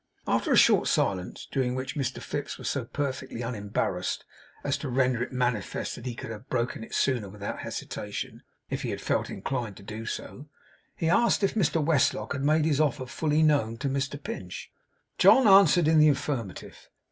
After a short silence, during which Mr Fips was so perfectly unembarrassed as to render it manifest that he could have broken it sooner without hesitation, if he had felt inclined to do so, he asked if Mr Westlock had made his offer fully known to Mr Pinch. John answered in the affirmative.